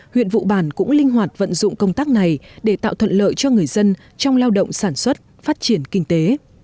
huyện vụ bản cũng linh hoạt vận dụng công tác này để tạo thuận lợi cho người dân trong lao động sản xuất phát triển kinh tế